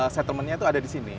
settlement nya tuh ada di sini